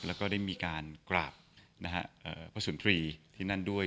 แล้วก็ได้มีการกราบพระสุนทรีย์ที่นั่นด้วย